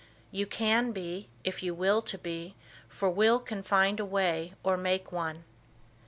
You can be if you Will to be, for Will can find a way or make one.